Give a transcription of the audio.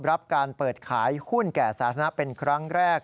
รับการเปิดขายหุ้นแก่สาธารณะเป็นครั้งแรก